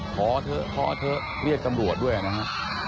ขอเถอะขอเถอะเรียกตำรวจด้วยนะฮะ